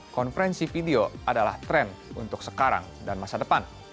konferensi video adalah tren untuk sekarang dan masa depan